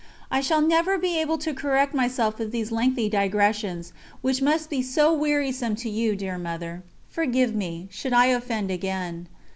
I shall never be able to correct myself of these lengthy digressions which must be so wearisome to you, dear Mother. Forgive me, should I offend again.